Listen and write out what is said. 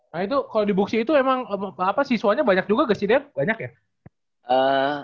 nah itu kalo di book city itu emang apa siswanya banyak juga ga sih der banyak ya